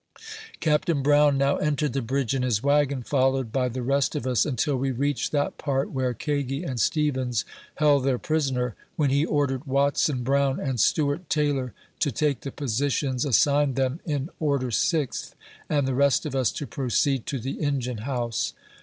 Captain Brown now entered the bridge in his wagon, follow ed by the rest of us, until we reached that part where Kagi and Stevens held their prisoner, when he ordered Watson CAPTURE OF THE FERRY. 33 Brown and Stewart Taylor to take the positions assigned them in order sixth, and the rest of us to proceed to the engine house.